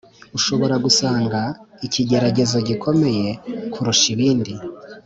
Ushobora gusanga ikigeragezo gikomeye kurusha ibindi